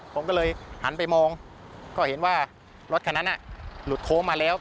ผมก็เลยหันไปมองก็เห็นว่ารถคันนั้นหลุดโค้งมาแล้ว